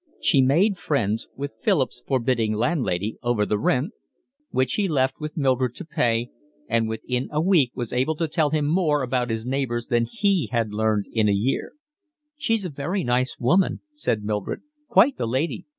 She made friends with Philip's forbidding landlady over the rent, which he left with Mildred to pay, and within a week was able to tell him more about his neighbours than he had learned in a year. "She's a very nice woman," said Mildred. "Quite the lady.